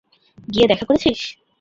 গিয়ে দেখা করেছিস?